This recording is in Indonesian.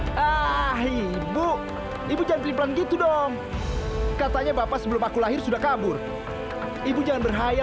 sampai jumpa di video selanjutnya